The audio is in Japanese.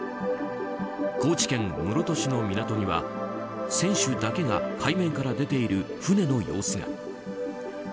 高知県室戸市の港には船首だけが海面から出ている船の様子が。